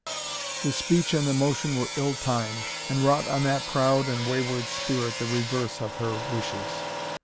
The speech and the motion were ill timed, and wrought on that proud and wayward spirit the reverse of her wishes.